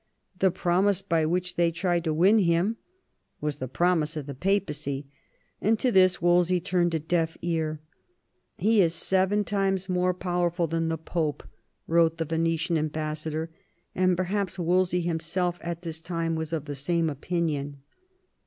The promise by which they tried to win him was the promise of the Papacy ; and to this Wolsey turned a deaf ear. " He is seven times more powerful than the Pope," wrote the Venetian ambassador; and perhaps Wolsey himself at this time was of the same opinion.